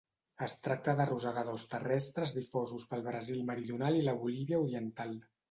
Es tracta de rosegadors terrestres difosos pel Brasil meridional i la Bolívia oriental.